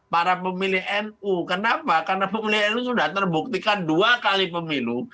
para pemilih nu kenapa karena pemilih nu sudah terbuktikan dua kali pemilu